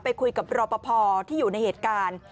ไปคุยกับรอปภที่อยู่ในเหตุการณ์